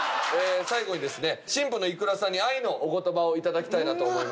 最後にですね新婦のいくらさんに愛のお言葉をいただきたいなと思いますので。